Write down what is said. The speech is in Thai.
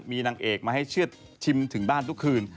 มีนางเอกมาให้เชื่อชิมถึงบ้านทุกคืน